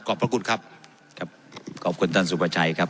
พระคุณครับครับขอบคุณท่านสุภาชัยครับ